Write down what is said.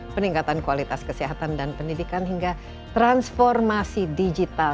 peningkatan kualitas kesehatan dan pendidikan hingga transformasi digital